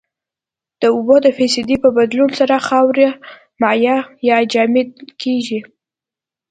د اوبو د فیصدي په بدلون سره خاوره مایع یا جامد کیږي